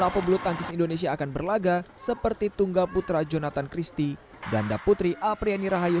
prancis indonesia akan berlaga seperti tunggal putra jonathan christy ganda putri apriani rahayu